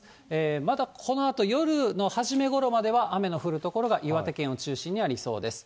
まだこのあと夜の初めごろまでは雨の降る所が、岩手県を中心にありそうです。